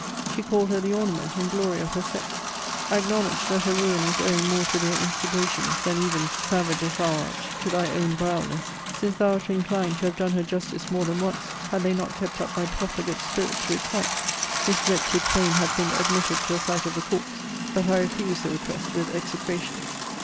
She called her the ornament and glory of her sex; acknowledged, that her ruin was owing more to their instigations, than even (savage as thou art) to thy own vileness; since thou wert inclined to have done her justice more than once, had they not kept up thy profligate spirit to its height. This wretch would fain have been admitted to a sight of the corpse; but I refused the request with execrations.